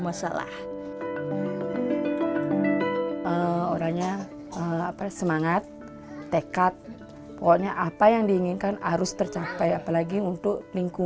masalah orangnya apa semangat tekad pokoknya apa yang diinginkan harus tercapai apalagi untuk lingkungan